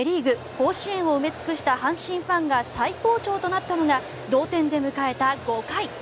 甲子園を埋め尽くした阪神ファンが最高潮となったのが同点で迎えた５回。